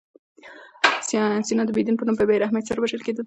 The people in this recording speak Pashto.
سنیان د بې دین په نوم په بې رحمۍ سره وژل کېدل.